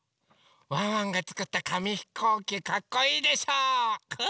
ワンワンがつくったかみひこうきかっこいいでしょう？